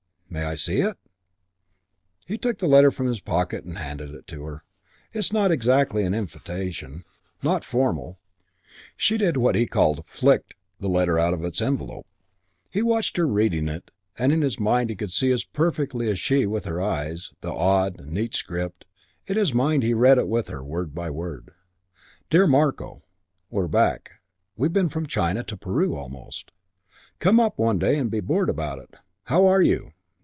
"May I see it?" He took the letter from his pocket and handed it to her. "It's not exactly an invitation not formal." She did what he called "flicked" the letter out of its envelope. He watched her reading it and in his mind he could see as perfectly as she with her eyes, the odd, neat script; in his mind he read it with her, word by word. Dear Marko We're back. We've been from China to Peru almost. Come up one day and be bored about it. How are you?